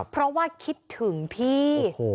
พอว่าคิดถึงพี่